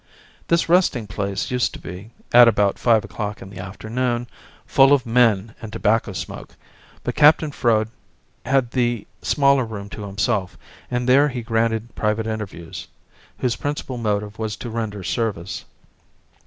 This resting place used to be, at about five o'clock in the afternoon, full of men and tobacco smoke, but Captain Froud had the smaller room to himself and there he granted private interviews, whose principal motive was to render service.